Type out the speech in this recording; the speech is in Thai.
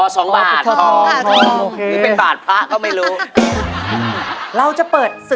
สองบาท